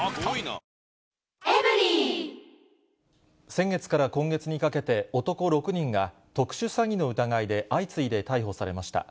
先月から今月にかけて、男６人が、特殊詐欺の疑いで相次いで逮捕されました。